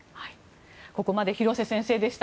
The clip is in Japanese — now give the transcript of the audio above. ここまで廣瀬先生でした。